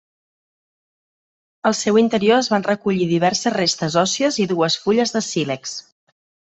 Al seu interior es van recollir diverses restes òssies i dues fulles de sílex.